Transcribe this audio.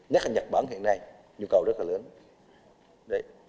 nhất là nhật bản hiện nay nhu cầu rất là lớn